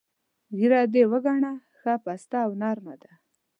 ږیره دې ګڼه، ښه پسته او نر مه ده.